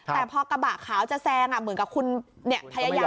แต่พอกระบะขาวจะแซงเหมือนกับคุณพยายาม